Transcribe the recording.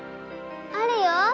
あるよ！